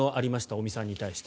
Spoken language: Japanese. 尾身さんに対して。